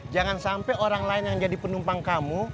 jangan sampai orang lain yang jadi penumpang kamu